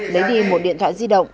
lấy đi một điện thoại di động